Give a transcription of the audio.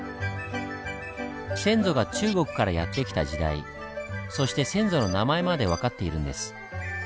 先祖が中国からやって来た時代そして先祖の名前まで分かっているんです。